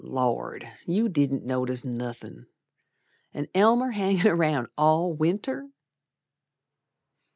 But, Lord, you didn't notice nothin', An' Elmer hangin' around all Winter!